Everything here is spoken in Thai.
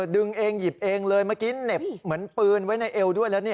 ดึงเองหยิบเองเลยเมื่อกี้เหน็บเหมือนปืนไว้ในเอวด้วยแล้ว